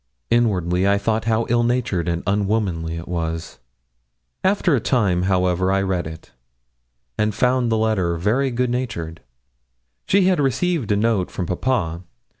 Inwardly I thought how ill natured and unwomanly it was. After a time, however, I read it, and found the letter very good natured. She had received a note from papa.